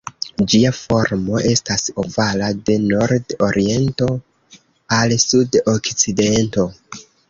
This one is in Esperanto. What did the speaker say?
Ĝia formo estas ovala, de nord-oriento al sud-okcidento.